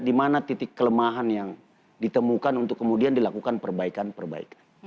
di mana titik kelemahan yang ditemukan untuk kemudian dilakukan perbaikan perbaikan